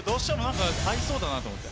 入りそうだなと思って。